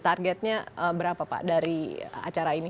targetnya berapa pak dari acara ini